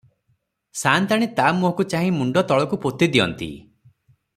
ସାଆନ୍ତାଣୀ ତା ମୁହଁକୁ ଚାହିଁ ମୁଣ୍ତ ତଳକୁ ପୋତିଦିଅନ୍ତି ।